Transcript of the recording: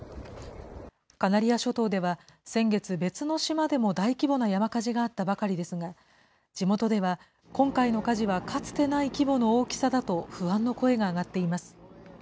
カナリア諸島では先月、別の島でも大規模な山火事があったばかりですが、地元では、今回の火事はかつてない規模の大きさだと不安の声が上がっています。